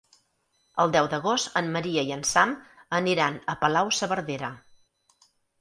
El deu d'agost en Maria i en Sam aniran a Palau-saverdera.